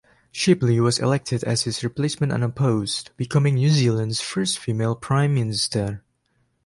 Shipley was elected as his replacement unopposed, becoming New Zealand's first female prime minister.